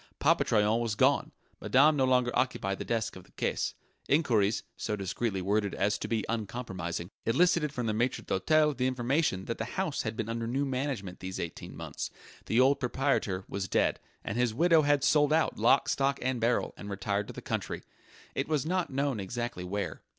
Papa Troyon was gone; Madame no longer occupied the desk of the caisse; enquiries, so discreetly worded as to be uncompromising, elicited from the maitre d'hôtel the information that the house had been under new management these eighteen months; the old proprietor was dead, and his widow had sold out lock, stock and barrel, and retired to the country it was not known exactly where.